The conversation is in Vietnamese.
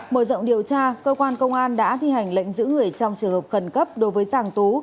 mở rộng điều tra cơ quan công an đã thi hành lệnh giữ người trong trường hợp khẩn cấp đối với giàng tú